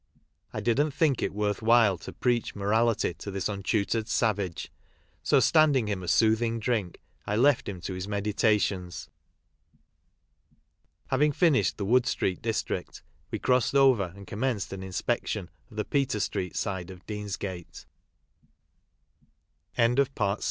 " I didn't think it worth while to preach morality to this untutored savage, so, standing him a soothing drink, I left him to his meditations. Having finished the Wood street district, we crossed over and commenced an inspection